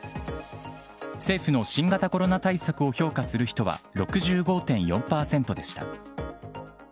政府の新型コロナ対策を評価する人は６５．４％でした。